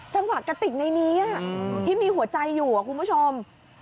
กระติกในนี้ที่มีหัวใจอยู่คุณผู้ชม